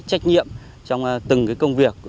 trách nhiệm trong từng công việc